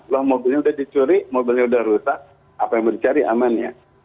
loh mobilnya sudah dicuri mobilnya sudah rusak apa yang boleh dicari amannya